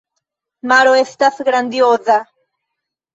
Maro estas grandioza.